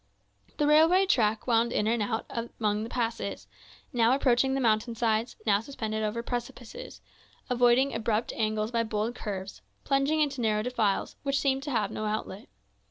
The railway track wound in and out among the passes, now approaching the mountain sides, now suspended over precipices, avoiding abrupt angles by bold curves, plunging into narrow defiles, which seemed to have no outlet.